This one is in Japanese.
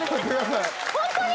ホントに？